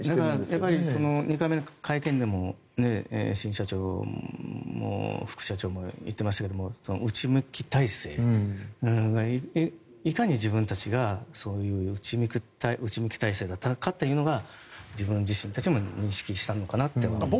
やはり２回目の会見でも新社長も副社長も言っていましたけど内向き体制がいかに自分たちがそういう内向き体制だったのかというのが自分自身たちも認識したのかなと思います。